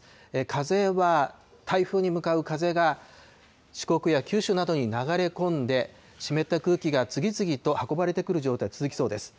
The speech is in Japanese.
風は台風に向かう風が四国や九州などに流れ込んで、湿った空気が次々と運ばれてくる状態、続きそうです。